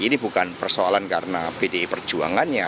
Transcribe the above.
ini bukan persoalan karena pdi perjuangannya